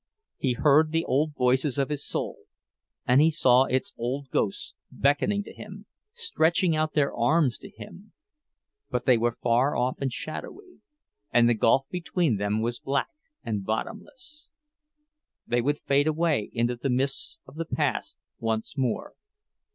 He heard the old voices of his soul, he saw its old ghosts beckoning to him, stretching out their arms to him! But they were far off and shadowy, and the gulf between them was black and bottomless; they would fade away into the mists of the past once more.